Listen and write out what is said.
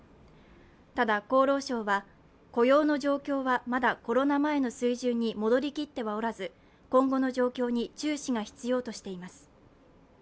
ただ、厚労省は雇用の状況はまだコロナ前の水準に戻りきってはおらず今後の状況に注視が必要としています。